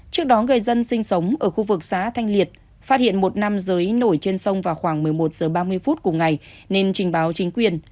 trước đó người dân sinh sống ở khu vực xá thanh liệt phát hiện một nằm giới nổi trên sông vào khoảng một mươi một giờ ba mươi phút cùng ngày